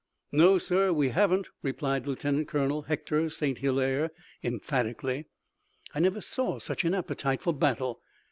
"No, sir, we haven't," replied Lieutenant Colonel Hector St. Hilaire, emphatically. "I never saw such an appetite for battle.